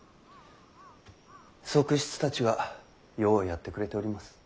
側室たちがようやってくれております。